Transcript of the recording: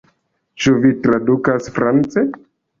Ĉu vi tradukas france?